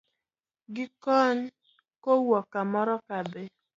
Gi kony kowuok kamoro kadhi